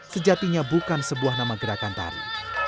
sejatinya bukan sebuah nama gerakan tari